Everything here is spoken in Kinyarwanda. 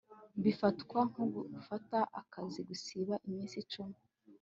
Bifatwa nko guta akazi gusiba iminsi cumi